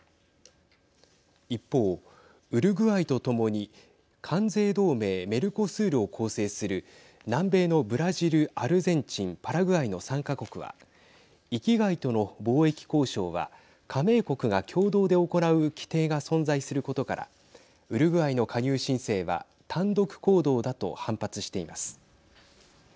一方、ウルグアイと共に関税同盟メルコスールを構成する南米のブラジル、アルゼンチンパラグアイの３か国は域外との貿易交渉は加盟国が共同で行う規定が存在することからウルグアイの加入申請は単独行動だと反発しています。